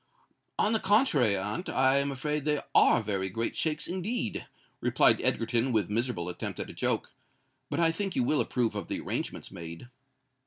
"On the contrary, aunt, I am afraid they are very great shakes indeed," replied Egerton, with miserable attempt at a joke. "But I think you will approve of the arrangements made."